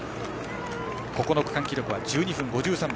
この区間記録は１２分５３秒。